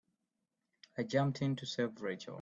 I jumped in to save Rachel.